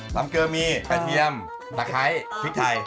ลำเกลือมีกระเทียมตะไคร้พริกไทย